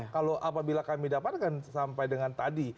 kalau apabila kami dapatkan sampai dengan tadi